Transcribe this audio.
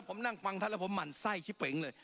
ผมนั่งฟังท่านแล้วผมหมั่นไส้ชิเป๋งเลย